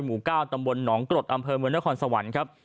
หมู่๙ตำบลหนองกรดอำเภอเมืองนครสวรรค์ครับ